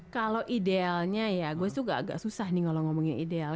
kalau idealnya ya gue tuh agak susah nih kalau ngomongin ideal